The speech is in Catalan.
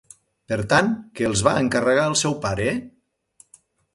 Per tant, què els va encarregar el seu pare?